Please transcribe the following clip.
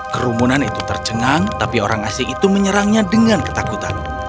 kerumunan itu tercengang tapi orang asing itu menyerangnya dengan ketakutan